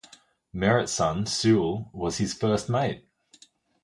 Merritt's son, Sewall, was his first mate.